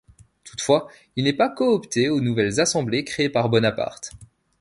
Toutefois il n'est pas coopté aux nouvelles assemblées créées par Bonaparte.